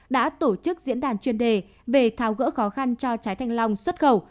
đã tổ chức diễn đàn chuyên đề về tháo gỡ khó khăn cho trái thanh long xuất khẩu